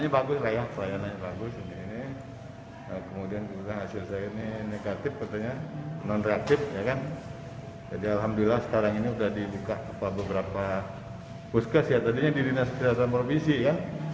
beberapa puskes ya tadinya di dinas kesehatan provinsi ya